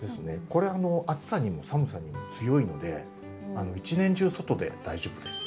これ暑さにも寒さにも強いので一年中外で大丈夫です。